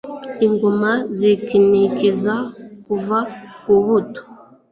ingoma zikinikiza kuva mubuto